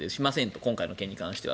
今回の件に関しては。